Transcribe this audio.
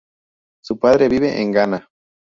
Su padre vive en Ghana.